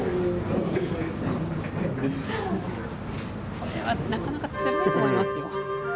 これはなかなかつらいと思いますよ。